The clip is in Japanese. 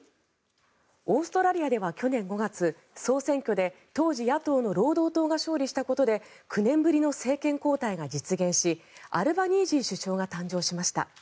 オーストラリアでは去年５月総選挙で当時野党の労働党が勝利したことで９年ぶりの政権交代が実現しアルバニージー首相が誕生しました。